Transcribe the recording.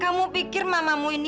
kamu pikir mama mau nyembuhin ranti